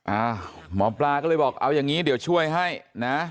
หมอปลาก็เลยบอกเอาอย่างนี้เดี๋ยวช่วยให้นะ